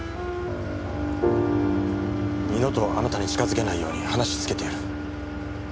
二度とあなたに近づけないように話つけてやる。